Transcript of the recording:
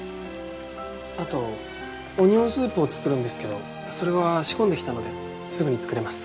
あとオニオンスープを作るんですけどそれは仕込んできたのですぐに作れます。